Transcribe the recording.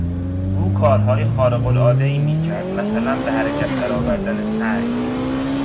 او کارهای خارقالعادهای میکرد مثلا به حرکت درآوردن سنگ.